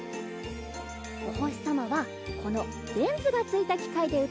おほしさまはこのレンズがついたきかいでうつしだすよ！